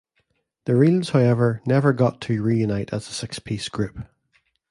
The Reels however never got to reunite as a six-piece group.